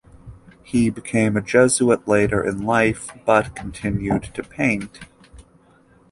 He became a Jesuit later in life but continued to paint.